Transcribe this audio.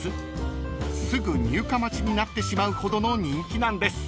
［すぐ入荷待ちになってしまうほどの人気なんです］